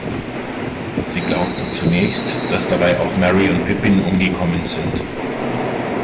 Sie glauben zunächst, dass dabei auch Merry und Pippin umgekommen sind.